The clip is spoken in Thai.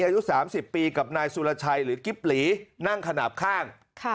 อายุ๓๐ปีกับนายสุรชัยหรือกิ๊บหลีนั่งขนาดข้าง